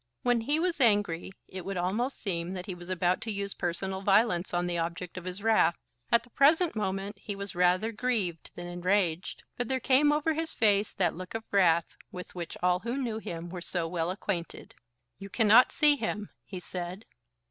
When he was angry it would almost seem that he was about to use personal violence on the object of his wrath. At the present moment he was rather grieved than enraged; but there came over his face that look of wrath with which all who knew him were so well acquainted. "You cannot see him," he said.